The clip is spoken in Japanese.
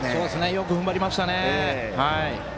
よく踏ん張りましたね。